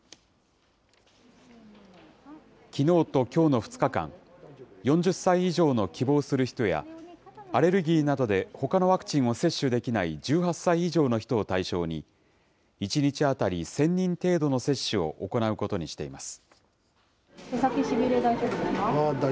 きのうときょうの２日間、４０歳以上の希望する人や、アレルギーなどでほかのワクチンを接種できない１８歳以上の人を対象に、１日当たり１０００人程度の接種を行うことにしています。